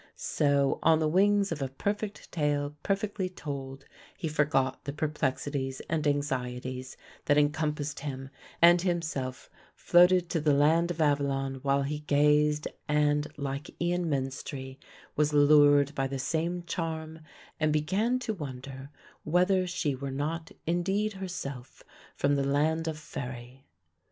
So on the wings of a perfect tale perfectly told he forgot the perplexities and anxieties that encompassed him, and himself floated to the Land of Avilion while he gazed and, like Ian Menstrie, was lured by the same charm and began to wonder whether she were not indeed herself from the land of faëry.